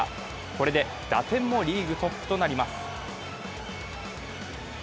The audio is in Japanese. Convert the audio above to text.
これで打点もリーグトップとなります。